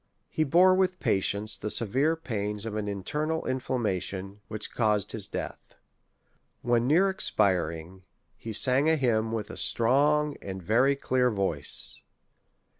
He bore with patience the severe pains of an internal inflammation, which caused his death. When near expiring, he sang a hymn with a strong and very clear voice.